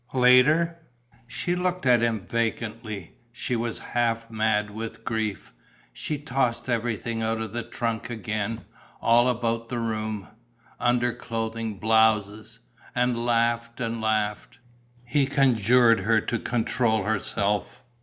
Later? She looked at him vacantly. She was half mad with grief. She tossed everything out of the trunk again, all about the room underclothing, blouses and laughed and laughed. He conjured her to control herself.